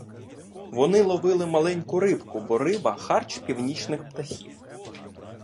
Вони ловили маленьку рибку, бо риба — харч північних птахів.